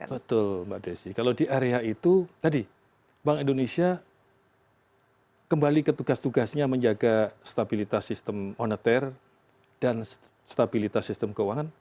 betul mbak desi kalau di area itu tadi bank indonesia kembali ke tugas tugasnya menjaga stabilitas sistem moneter dan stabilitas sistem keuangan